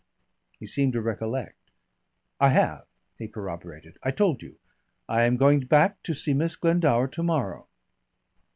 He seemed to recollect. "I have," he corroborated. "I told you. I am going back to see Miss Glendower to morrow.